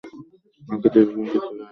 বাকিদের ব্যাপারে কিছু যায় আসে না।